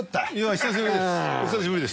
お久しぶりです。